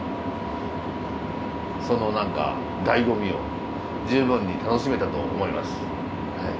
その何かだいご味を十分に楽しめたと思いますはい。